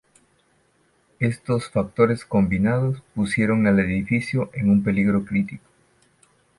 Estos factores combinados pusieron al edificio en un peligro crítico.